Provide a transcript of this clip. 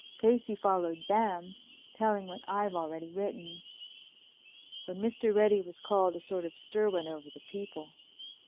Casey followed them, telling what I've already written. When Mr. Reddy was called a sort of stir went over the people.